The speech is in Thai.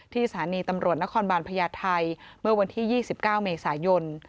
สถานีตำรวจนครบาลพญาไทยเมื่อวันที่๒๙เมษายน